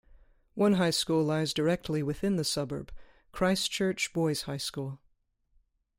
One high school lies directly within the suburb - Christchurch Boys' High School.